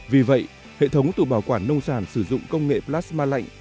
vì vậy hệ thống tự bảo quản nông sản sử dụng công nghệ plasma lạnh